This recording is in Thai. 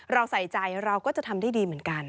เราใส่ใจเราก็จะทำได้ดีเหมือนกัน